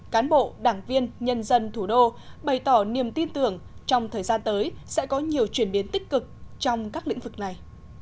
cán bộ đảng viên nhân dân thủ đô bày tỏ niềm tin tưởng trong thời gian tới sẽ có nhiều chuyển biến tích cực trong các lĩnh vực này